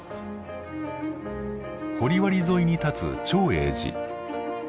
掘割沿いに建つ長栄寺。